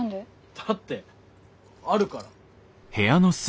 だってあるから。